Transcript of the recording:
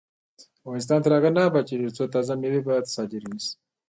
افغانستان تر هغو نه ابادیږي، ترڅو تازه میوې بهر ته صادرې نشي.